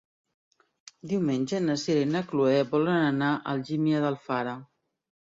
Diumenge na Sira i na Chloé volen anar a Algímia d'Alfara.